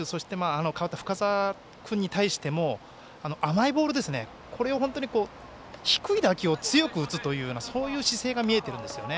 代わった深沢君に対しても甘いボールを本当に低い打球を強く打つというそういう姿勢が見えているんですね。